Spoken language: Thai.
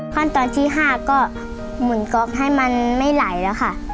ขั้นตอนที่๕ก็หมุนก๊อกให้มันไม่ไหลแล้วค่ะ